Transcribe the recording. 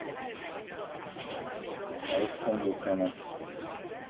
羅臼昆布を使います。